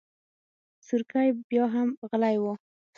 سورکی بياهم غلی و.